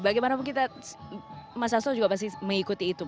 bagaimana kita mas sasso juga pasti mengikuti itu